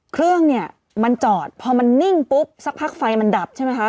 เครื่องเนี่ยมันจอดพอมันนิ่งปุ๊บสักพักไฟมันดับใช่ไหมคะ